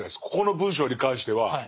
ここの文章に関しては。